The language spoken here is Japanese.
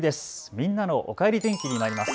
みんなのおかえり天気にまいります。